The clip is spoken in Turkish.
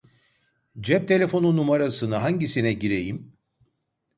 Cep telefonu numarasını hangisine gireyim